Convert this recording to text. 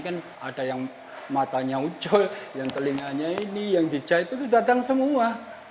kan ada yang matanya ujol yang telinganya ini yang dijahit itu datang semua